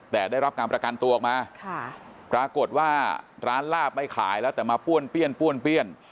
แต่ได้รับการประกันตัวออกมาปรากฏว่าร้านลาบไม่ขายแล้วแต่มาป้วนเปี้ยนป้วนเปี้ยน